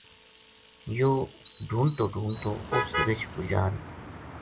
یو ہ ڈھونڈتو ڈھونڈتو اُس رچھ پو جا رہیو